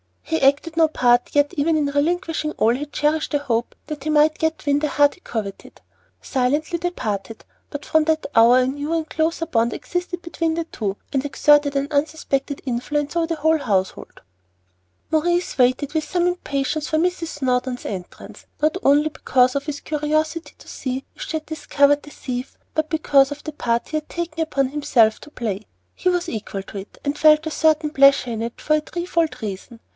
He acted no part, yet, even in relinquishing all, he cherished a hope that he might yet win the heart he coveted. Silently they parted, but from that hour a new and closer bond existed between the two, and exerted an unsuspected influence over the whole household. Maurice waited with some impatience for Mrs. Snowdon's entrance, not only because of his curiosity to see if she had discovered the thief, but because of the part he had taken upon himself to play. He was equal to it, and felt a certain pleasure in it for a threefold reason.